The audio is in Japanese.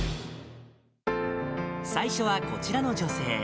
最初はこちらの女性。